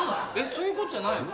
そういうことじゃないの？